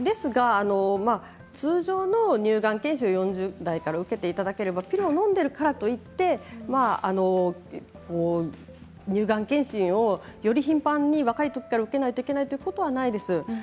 ですが通常の乳がん検診４０代から受けていただければピルをのんでいるからといって乳がん検診をより頻繁に若いときから受けなければいけないいうことはないです。